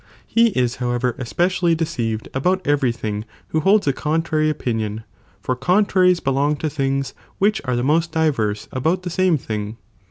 He is however especially deceived about every thing who holds a contrary opinion, for contraries belong to things which are the most diverse about the same thing.